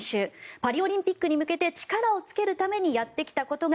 パリオリンピックに向けて力をつけるためにやってきたことが